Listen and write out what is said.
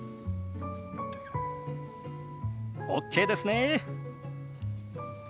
ＯＫですね！